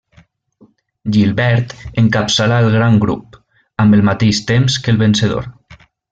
Gilbert encapçalà el gran grup, amb el mateix temps que el vencedor.